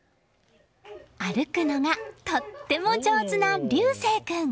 歩くのがとても上手な琉世君。